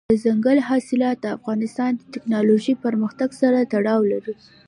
دځنګل حاصلات د افغانستان د تکنالوژۍ پرمختګ سره تړاو لري.